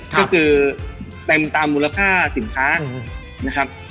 ก็คือเต็มตามมูลค่าสินค้านะครับ